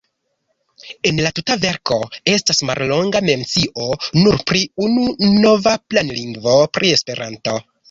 En la tuta verko estas mallonga mencio nur pri unu nova planlingvo, pri esperanto.